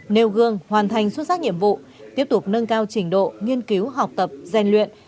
nêu gương hoàn thành xuất sắc nhiệm vụ tiếp tục nâng cao trình độ nghiên cứu học tập gian luyện